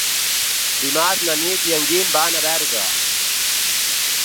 Dimarts na Nit i en Guim van a Berga.